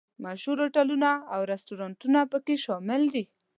مشهور هوټلونه او رسټورانټونه په کې شامل دي.